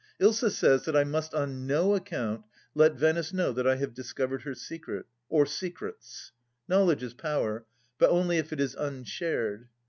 Ilsa says that I must on no account let Venice know that I have discovered her secret — or secrets. Knowledge is power, but only if it is unshared.